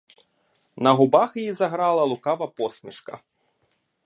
На губах її заграла лукава посмішка.